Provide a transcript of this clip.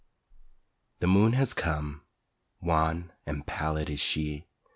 The moon has come. Wan and pallid is she.